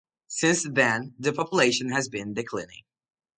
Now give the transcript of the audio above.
Since then, the population has been declining.